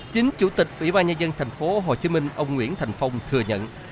chính chủ tịch ubnd tp hcm ông nguyễn thành phong thừa nhận